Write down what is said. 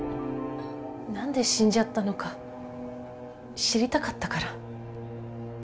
何で死んじゃったのか知りたかったから。